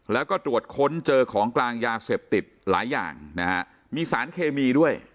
แล้วก็ตรวจค้นเจอของกลางยาเสพติดหลายอย่างนะฮะมีสารเคมีด้วย